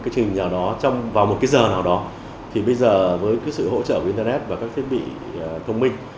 trong một giờ nào đó với sự hỗ trợ của internet và các thiết bị thông minh